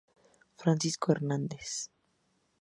Francisco Hernández